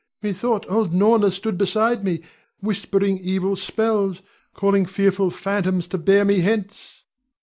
Methought old Norna stood beside me, whispering evil spells, calling fearful phantoms to bear me hence.